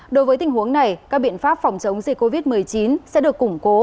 đối với tình huống này các biện pháp phòng chống dịch covid một mươi chín sẽ được củng cố